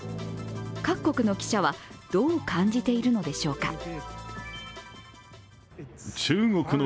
各国の記者はどう感じているのでしょうか。